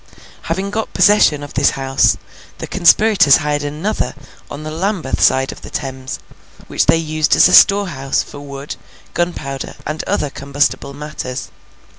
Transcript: Having got possession of this house, the conspirators hired another on the Lambeth side of the Thames, which they used as a storehouse for wood, gunpowder, and other combustible matters.